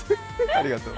ありがとう。